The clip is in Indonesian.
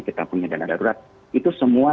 kita punya dana darurat itu semua